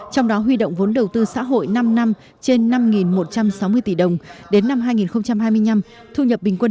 trong đó huy động vốn đầu tư xã hội năm năm trên năm một trăm sáu mươi tỷ đồng đến năm hai nghìn hai mươi năm thu nhập bình quân